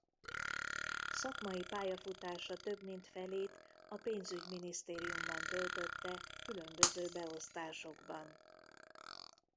Szakmai pályafutása több mint felét a Pénzügyminisztériumban töltötte különböző beosztásokban.